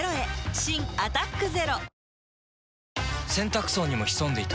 新「アタックＺＥＲＯ」洗濯槽にも潜んでいた。